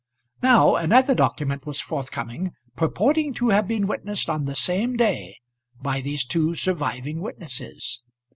Now another document was forthcoming, purporting to have been witnessed, on the same day, by these two surviving witnesses!